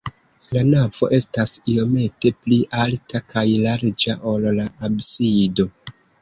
La navo estas iomete pli alta kaj larĝa, ol la absido.